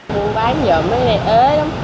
quán bán giờ mấy ngày ế lắm